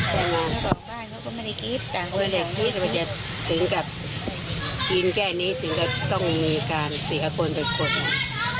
ก็ไม่ได้คิดว่าจะถึงกับกินแค่นี้ถึงก็ต้องมีการเสียคนเป็นคน